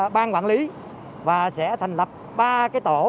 bang quản lý và sẽ thành lập ba cái tổ